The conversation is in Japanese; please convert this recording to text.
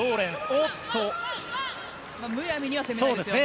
むやみには攻めないですよね。